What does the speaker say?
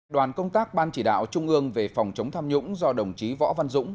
đoàn công tác ban chỉ đạo trung ương về phòng chống tham nhũng do đồng chí võ văn dũng